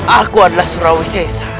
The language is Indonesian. aku adalah surawis